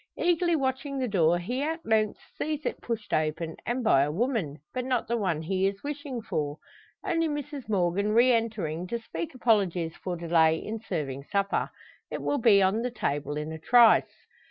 Eagerly watching the door, he at length sees it pushed open; and by a woman, but not the one he is wishing for. Only Mrs Morgan re entering to speak apologies for delay in serving supper. It will be on the table in a trice.